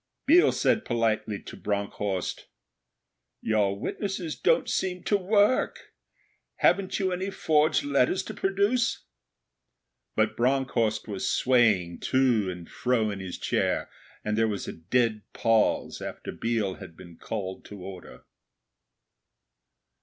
Biel said politely to Bronckhorst, 'Your witnesses don't seem to work. Haven't you any forged letters to produce?' But Bronckhorst was swaying to and fro in his chair, and there was a dead pause after Biel had been called to order.